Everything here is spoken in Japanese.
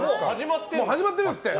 もう始まってるんですって。